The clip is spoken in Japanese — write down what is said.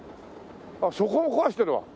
あっそこも壊してるわ。